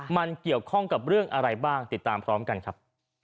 มันเกี่ยวข้องกับเรื่องอะไรบ้างติดตามพร้อมกันครับ